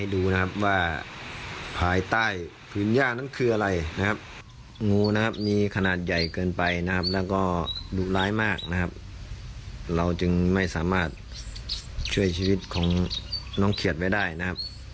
ดูร้ายมากนะครับเราจึงไม่สามารถช่วยชีวิตของน้องเขียดไว้ได้นะครับ